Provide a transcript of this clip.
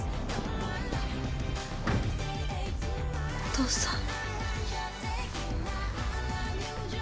お父さん。